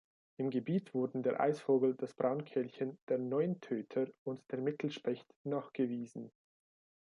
Im Gebiet wurden der Eisvogel, das Braunkehlchen, der Neuntöter und der Mittelspecht nachgewiesen.